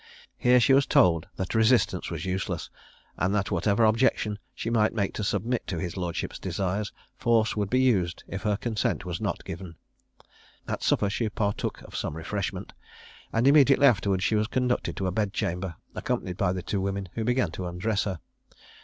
Here she was told that resistance was useless, and that whatever objection she might make to submit to his lordship's desires, force would be used if her consent was not given. At supper she partook of some refreshment; and immediately afterwards she was conducted to a bedchamber, accompanied by the two women, who began to undress her.